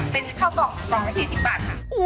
เป็นข้าวกล่องกล่องละ๔๐บาทค่ะ